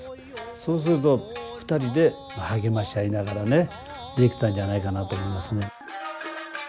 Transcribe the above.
そうすると２人で励まし合いながらねできたんじゃないかなと思いますね。